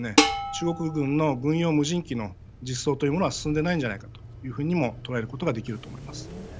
中国軍の軍用無人機の実装というものは進んでないんじゃないかというふうにも捉えることができると思います。